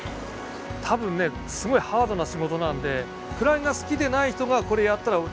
多分ねすごいハードな仕事なんでクラゲが好きでない人がこれやったら多分大変だと思う。